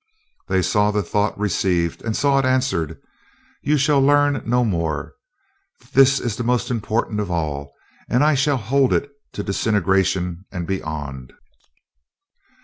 They saw the thought received, and saw its answer: "You shall learn no more. This is the most important of all, and I shall hold it to disintegration and beyond."